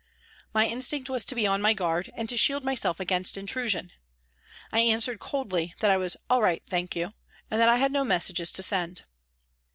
My instinct was to be on my guard, and to shield myself against intrusion. I answered coldly that I was " All right, thank you," and that I had no messages to send.